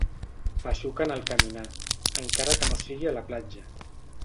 Feixuc en el caminar, encara que no sigui a la platja.